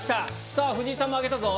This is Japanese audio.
さぁ藤井さんも上げたぞ。